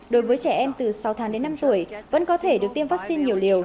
đối với trẻ em từ sáu tháng đến năm tuổi vẫn có thể được tiêm vaccine nhiều liều